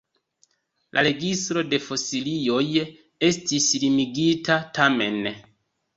La registro de fosilioj estis limigita, tamen.